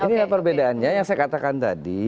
ini yang perbedaannya yang saya katakan tadi